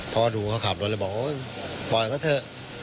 เพราะว่าดูเขาขับรถแล้วบอกโอ๊ยปล่อยก็เถอะ